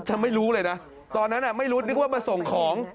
ไม่รู้เลยนะตอนนั้นไม่รู้นึกว่ามาส่งของ